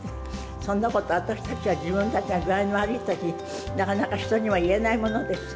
そんなこと、私たちは自分たちが具合の悪いとき、なかなか人には言えないものです。